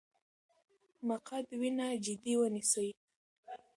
مقعد وینه جدي ونیسئ.